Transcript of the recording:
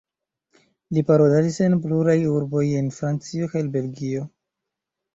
Li paroladis en pluraj urboj en Francio kaj Belgio.